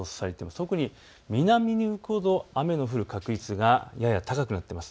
特に南に行くほど雨の降る確率がやや高くなっています。